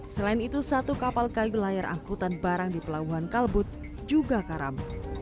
selain itu satu kapal kayu layar angkutan barang di pelabuhan kalbut juga karam